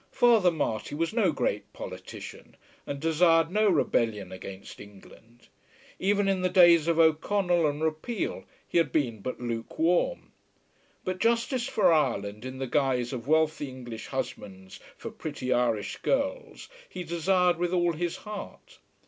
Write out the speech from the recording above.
Father Marty was no great politician, and desired no rebellion against England. Even in the days of O'Connell and repeal he had been but luke warm. But justice for Ireland in the guise of wealthy English husbands for pretty Irish girls he desired with all his heart.